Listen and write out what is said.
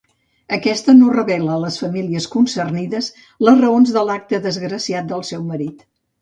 Aquesta no revela a les famílies concernides les raons de l'acte desgraciat del seu marit.